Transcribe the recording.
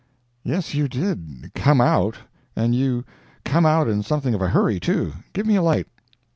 "Yes, you did 'come out'—and you 'come out' in something of a hurry, too. Give me a light."